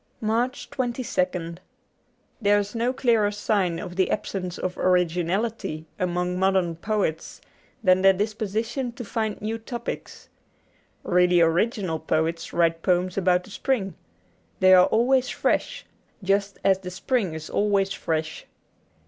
^Charles Dickens.^ 87 MARCH 22nd THERE is no clearer sign of the absence of originality among modern poets than their disposition to find new topics. Really original poets write poems about the spring. They are always fresh, just as the spring is always fresh.